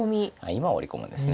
今ワリ込むんですね。